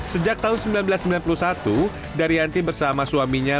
sejak tahun seribu sembilan ratus sembilan puluh satu daryanti bersama suaminya